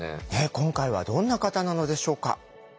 今回はどんな方なのでしょうか。